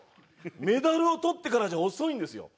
メダルをとってからじゃ遅いんですよ。